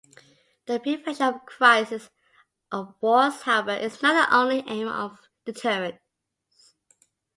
The prevention of crises of wars however is not the only aim of deterrence.